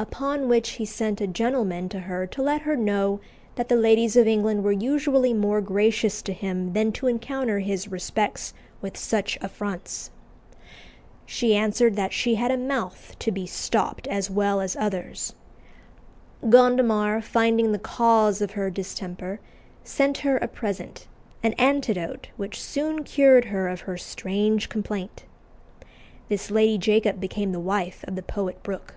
Upon which he sent a gentleman to her to let her know that the ladies of England were usually more gracious to him than to encounter his respects with such affronts. She answered that she had a mouth to be stopped as well as others. Gondomar, finding the cause of her distemper, sent her a present, an antidote which soon cured her of her strange complaint. This Lady Jacob became the wife of the poet Brooke.